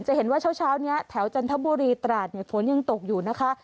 จะเห็นว่าเช้านี้แถวจันทบุรีตราดฝนยังตกอยู่นะคะ